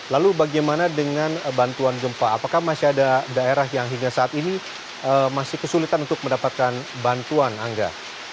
lalu bagaimana dengan bantuan gempa apakah masih ada daerah yang hingga saat ini masih kesulitan untuk mendapatkan bantuan angga